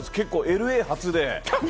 ＬＡ発で。